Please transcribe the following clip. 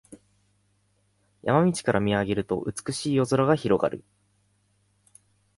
山道から見上げると美しい夜空が広がる